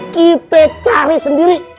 kita cari sendiri